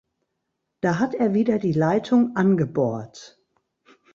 Da hat er wieder die Leitung angebohrt.